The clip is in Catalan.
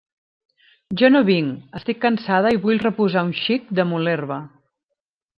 Jo no vinc: estic cansada i vull reposar un xic damunt l'herba.